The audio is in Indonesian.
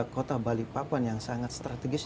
kota balikpapan yang sangat strategis